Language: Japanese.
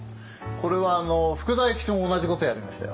これは福澤諭吉も同じことやりましたよ。